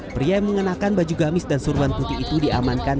pria yang mengenakan baju gamis dan suruhan putih itu diamankan